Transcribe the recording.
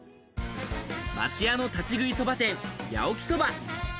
町屋の立ち食いそば店、八起そば。